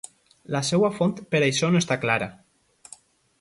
La seua font per això no està clara.